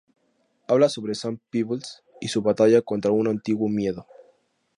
Habla sobre Sam Peebles y su batalla contra un antiguo miedo.